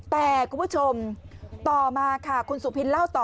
แต่คุณผู้ชมต่อมาค่ะคุณสุพินเล่าต่อ